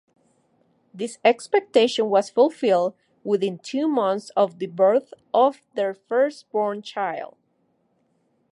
This expectation was fulfilled within two months of the birth of their first-born child.